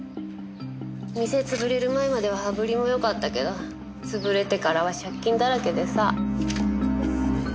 店潰れる前までは羽振りもよかったけど潰れてからは借金だらけでさ。